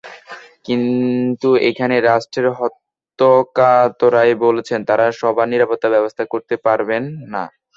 কিন্তু এখানে রাষ্ট্রের হর্তাকর্তারাই বলছেন তাঁরা সবার নিরাপত্তার ব্যবস্থা করতে পারবেন না।